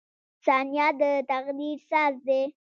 • ثانیه د تقدیر ساز دی.